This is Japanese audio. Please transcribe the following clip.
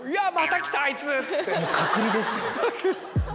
もう隔離ですよ。